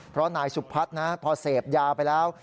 เพราะนายสุพัฒน์นะพอเสพยาไปแล้ว